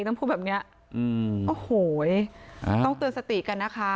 ต้องพูดแบบเนี้ยอืมโอ้โหต้องเตือนสติกันนะคะ